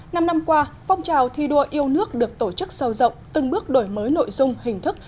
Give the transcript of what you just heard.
năm năm qua phong trào thi đua yêu nước được tổ chức sâu rộng từng bước đổi mới nội dung hình thức